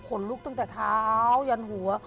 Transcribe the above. ลุกตั้งแต่เท้ายันหัว